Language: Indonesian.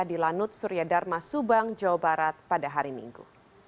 di lanut suryadharma subang jawa barat pada hari minggu